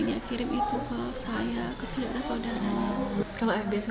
dia kirim itu ke saya ke saudara saudaranya